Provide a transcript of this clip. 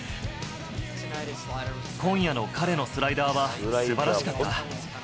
今夜の彼のスライダーはすばらしかった。